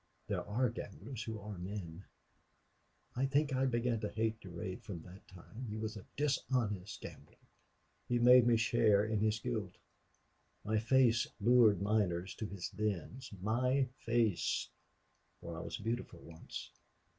There are gamblers who are men!... I think I began to hate Durade from that time.... He was a dishonest gambler. He made me share in his guilt. My face lured miners to his dens.... My face for I was beautiful once!...